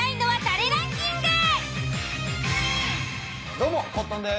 どうもコットンです。